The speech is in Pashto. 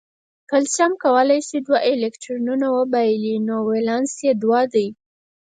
کلسیم کولای شي دوه الکترونونه وبایلي نو ولانس یې دوه دی.